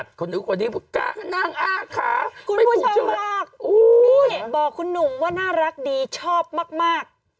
นี่บอกคุณหนุ่มว่าน่ารักดีชอบมาก